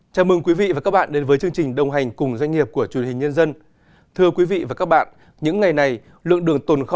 chào mừng quý vị và các bạn đến với chương trình đồng hành cùng doanh nghiệp của truyền hình nhân dân